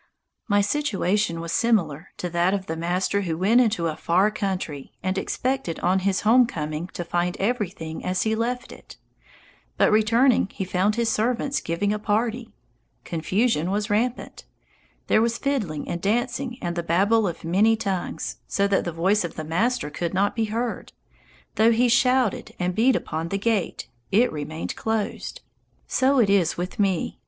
My situation was similar to that of the master who went into a far country and expected on his home coming to find everything as he left it. But returning he found his servants giving a party. Confusion was rampant. There was fiddling and dancing and the babble of many tongues, so that the voice of the master could not be heard. Though he shouted and beat upon the gate, it remained closed. So it was with me.